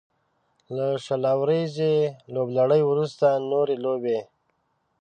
له شل اوريزې لوبلړۍ وروسته نورې لوبې